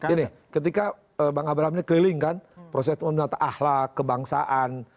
ini ketika bang abraham ini keliling kan proses menata ahlak kebangsaan